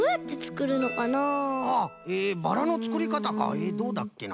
えどうだっけな？